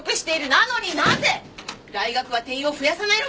なのになぜ大学は定員を増やさないのか！